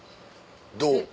どう？